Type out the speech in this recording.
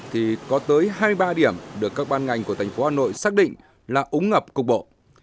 thì có tới hai mươi ba điểm được các ban ngành của thành phố hà nội xác định là úng ngập cục bộ